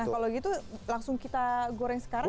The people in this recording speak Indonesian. nah kalau gitu langsung kita goreng sekarang